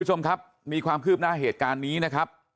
คุณผู้ชมครับมีความคืบหน้าเหตุการณ์นี้นะครับ